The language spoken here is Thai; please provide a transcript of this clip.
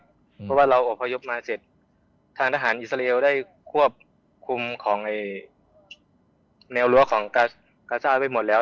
เพราะว่าเราอบพยพมาเสร็จทางทหารอิสราเอลได้ควบคุมของแนวรั้วของกาชาติไว้หมดแล้ว